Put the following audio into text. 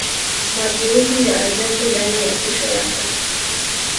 mageuzi ya ajabu ndani ya kesho yako